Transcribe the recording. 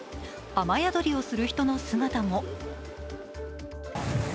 雨宿りをする人の姿も。